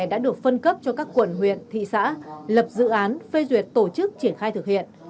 đã được phân cấp cho các quận huyện thị xã lập dự án phê duyệt tổ chức triển khai thực hiện